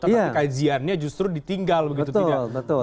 tapi kajiannya justru ditinggal begitu tidak